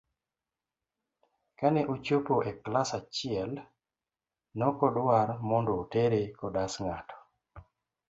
Kane ochopo e klas achiel nokodwar mondo otere kodas n'gato.